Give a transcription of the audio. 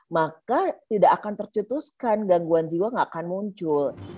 maka tidak akan tercetuskan gangguan jiwa tidak akan muncul